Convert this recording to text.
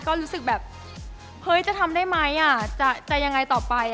ก็รู้สึกแบบเฮ้ยจะทำได้ไหมจะยังไงต่อไป